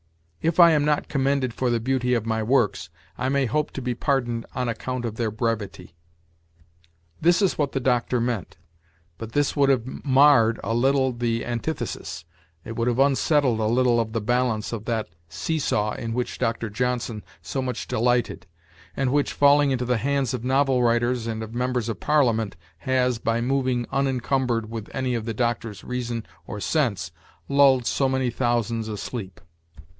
'If I am not commended for the beauty of my works, I may hope to be pardoned on account of their brevity.' This is what the Doctor meant; but this would have marred a little the antithesis: it would have unsettled a little of the balance of that seesaw in which Dr. Johnson so much delighted, and which, falling into the hands of novel writers and of members of Parliament, has, by moving unencumbered with any of the Doctor's reason or sense, lulled so many thousands asleep!